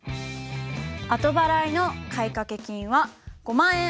後払いの買掛金は５万円。